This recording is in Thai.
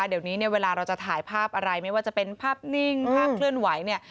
เดี๋ยวนี้เนี่ยเวลาเราจะถ่ายภาพอะไรไม่ว่าจะเป็นภาพนิ่งภาพเคลื่อนไหวเนี่ย